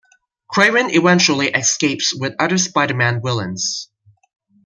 Kraven eventually escapes with other Spider-Man villains.